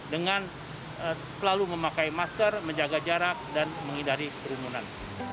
dengan selalu memakai masker menjaga jarak dan mengidari perlindungan